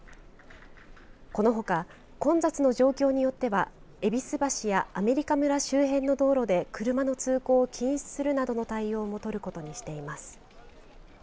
このほか混雑の状況によっては戎橋やアメリカ村周辺の道路で車の通行を禁止するなどの対応も取ることにしています。